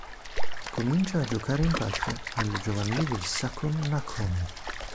Comincia a giocare in patria, nelle giovanili del Sakon Nakhon.